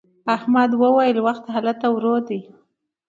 احمد وويل: وخت هلته ورو دی.